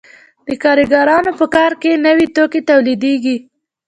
د کارګرانو په کار سره نوي توکي تولیدېږي